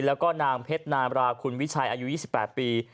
แล้วก็นางเพชรนามราคุณวิชัยอายุ๒๘ปี